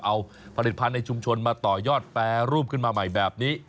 เอาผลิตภัณฑ์ในชุมชนมาต่อยอดแปรรูปขึ้นมาใหม่แบบนี้